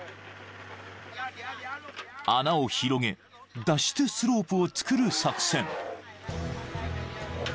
［穴を広げ脱出スロープを作る作戦］